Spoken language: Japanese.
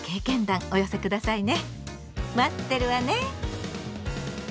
待ってるわね！